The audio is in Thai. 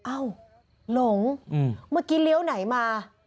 เอ้าหลงเมื่อกี้เลี้ยวไหนมา